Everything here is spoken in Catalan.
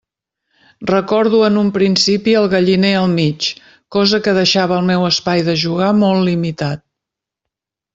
Recordo en un principi el galliner al mig, cosa que deixava el meu espai de jugar molt limitat.